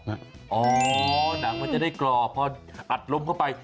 หนังมันจะได้กรอบพออัดลมเข้าไป